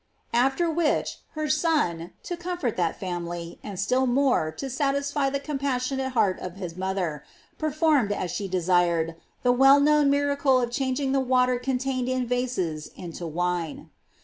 After which, her Son, to comfort that family, and still more to satisfy the compassionate heart of his mother, perform ed, as she desired, the well known miracle of changing the water contained in vases into wine.